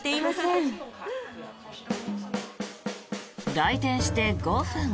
来店して５分。